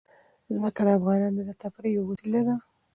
ځمکه د افغانانو د تفریح یوه وسیله ده.